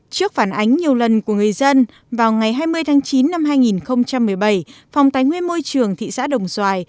trước phản ánh nhiều lần của người dân vào ngày hai mươi tháng chín năm hai nghìn một mươi bảy phòng tài nguyên môi trường thị xã đồng xoài